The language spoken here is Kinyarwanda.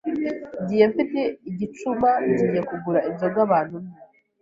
ngiye mfite igicuma ngiye kugura inzoga bantumye